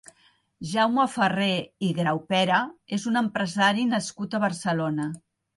Jaume Ferrer i Graupera és un empresari nascut a Barcelona.